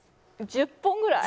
１０本ぐらい？